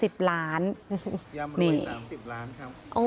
ยำรวย๓๐ล้านครับ